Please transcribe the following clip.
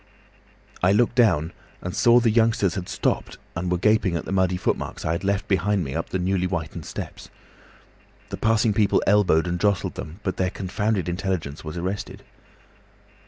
"I looked down and saw the youngsters had stopped and were gaping at the muddy footmarks I had left behind me up the newly whitened steps. The passing people elbowed and jostled them, but their confounded intelligence was arrested.